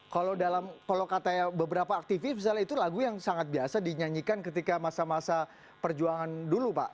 kalau dalam kalau kata beberapa aktivis misalnya itu lagu yang sangat biasa dinyanyikan ketika masa masa perjuangan dulu pak